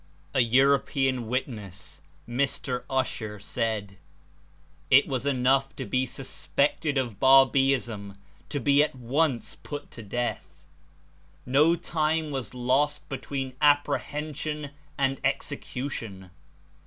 A European witness (Mr. Ussher) said: "It was enough to be suspected of Babeeism to be at once put to death. No time was lost between appre hension and execution.